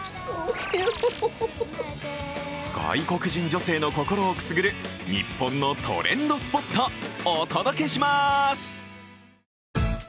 外国人女性の心をくすぐる日本のトレンドスポット週末が！！